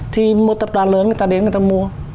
thì một tập đoàn lớn người ta đến người ta mua